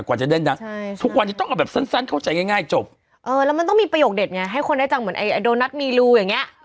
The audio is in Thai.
กว่าจะเล่นนะทุกวันนี้ต้องเอาแบบสั้นเข้าใจง่ายจบเออแล้วมันต้องมีประโยคเด็ดไงให้คนได้จังเหมือนไอโดนัทมีรูอย่างเงี้